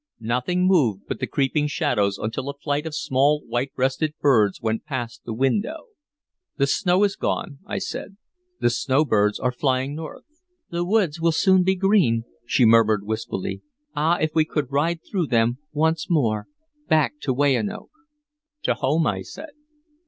Nothing moved but the creeping shadows until a flight of small white breasted birds went past the window. "The snow is gone," I said. "The snowbirds are flying north." "The woods will soon be green," she murmured wistfully. "Ah, if we could ride through them once more, back to Weyanoke" "To home," I said.